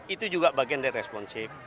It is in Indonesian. itu juga bagian dari responsif